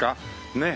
ねえ。